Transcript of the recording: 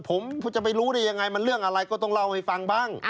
ผมจะไปรู้ได้ยังไงมันเรื่องอะไรก็ต้องเล่าให้ฟังบ้าง